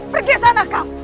pergi ke sana kau